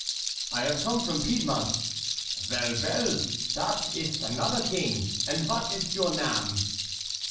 "I have come from Piedmont." "Vell, vell! dat iss anodder ting. And vat iss your name?"